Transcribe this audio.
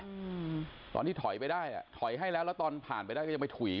ได้ตอนที่ถอยไปได้ถอยให้แล้วแล้วตอนถ่านไปได้ไปถลวี